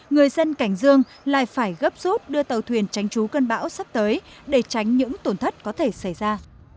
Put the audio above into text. người dân cảnh dương lại phải gấp rút đưa tàu thuyền tránh trú cân bão sắp tới để tránh những tổn thất có thể xảy ra